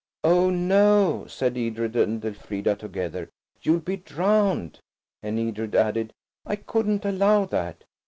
"Oh, no," said Edred and Elfrida together. "You'll be drowned." And Edred added, "I couldn't allow that."